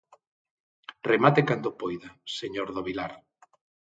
Remate cando poida, señor do Vilar.